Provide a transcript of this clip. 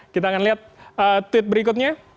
kita akan lihat tweet berikutnya